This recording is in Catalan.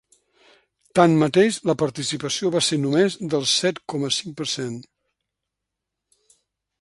Tanmateix, la participació va ser només del set coma cinc per cent.